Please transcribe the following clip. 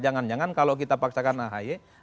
jangan jangan kalau kita paksakan ahy